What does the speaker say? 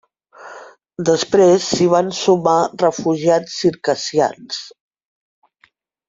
Després s'hi van sumar refugiats circassians.